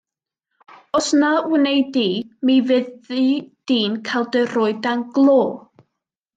Os na wnei di, mi fyddi di'n cael dy roi dan glo.